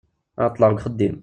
Ɛeṭṭleɣ g uxeddim.